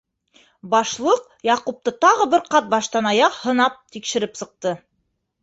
Башлыҡ Яҡупты тағы бер ҡат баштан-аяҡ һынап тикшереп сыҡты.